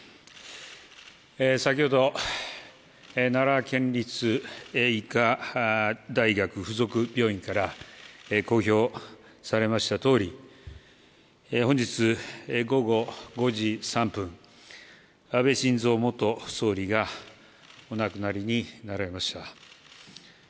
先ほど、奈良県立医科大学附属病院から公表されましたとおり、本日午後５時３分、安倍晋三元総理がお亡くなりになられました。